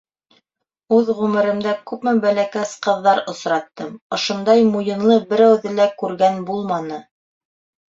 —Үҙ ғүмеремдә күпме бәләкәс ҡыҙҙар осраттым, ошондай муйынлы берәүҙе лә күргән булманы!